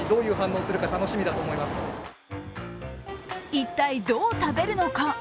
一体どう食べるのか。